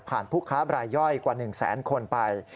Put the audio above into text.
ผ่านผู้ค้าบรายย่อยกว่าหนึ่งแสนคนไป